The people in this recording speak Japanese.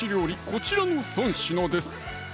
こちらの３品です